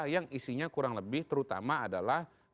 yang isinya kurang lebih terutama adalah partai nasional